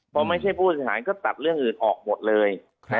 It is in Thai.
พอไม่ใช่ผู้โดยสารก็ตัดเรื่องอื่นออกหมดเลย